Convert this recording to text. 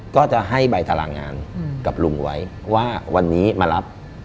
ก็จะให้ใบตารางงานกับลุงไว้ว่าวันนี้มารับ